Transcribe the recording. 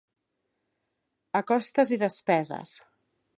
A costes i despeses.